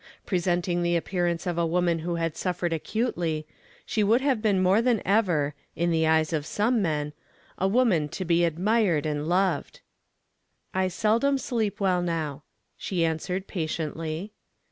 Presenting the appearance of a woman who had suffered acutely, she would have been more than ever (in the eyes of some men) a woman to be admired and loved. "I seldom sleep well now," she answered, patiently.